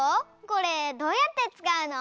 これどうやって使うの？